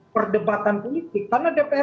perdebatan politik karena dpr